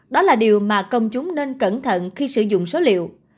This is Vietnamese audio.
đó là điều mà công chúng nên cẩn thận khi sử dụng số liệu